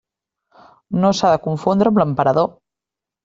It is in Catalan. No s'ha de confondre amb l'emperador.